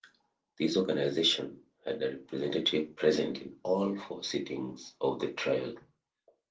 This organization had a representative present in all four sittings of the trial.